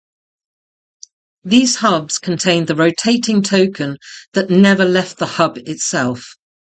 These hubs contained the rotating token that never left the hub itself.